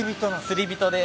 釣り人で。